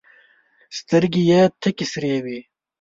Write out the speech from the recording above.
سترګي یې تکي سرې وې !